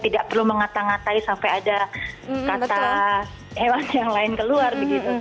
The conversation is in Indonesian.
tidak perlu mengata ngatai sampai ada kata hewan yang lain keluar